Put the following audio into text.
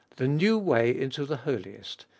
The New Way into the Holiest (x.